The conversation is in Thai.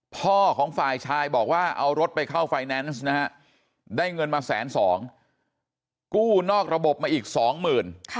พ่อของฝ่ายชายบอกว่าเอารถไปเข้าไฟแนนซ์นะฮะได้เงินมาแสนสองกู้นอกระบบมาอีกสองหมื่น